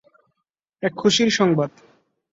এক খুশির সংবাদ।